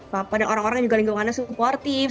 padahal orang orang juga lingkungannya supportif